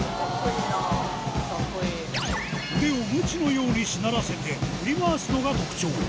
腕をむちのようにしならせて、振り回すのが特徴。